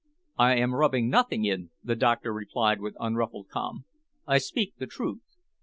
"I am rubbing nothing in," the doctor replied with unruffled calm. "I speak the truth.